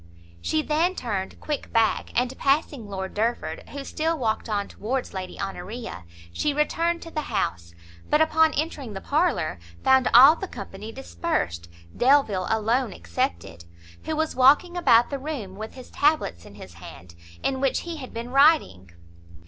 She then turned quick back, and passing Lord Derford, who still walked on towards Lady Honoria, she returned to the house; but, upon entering the parlour, found all the company dispersed, Delvile alone excepted, who was walking about the room, with his tablets in his hand, in which he had been writing.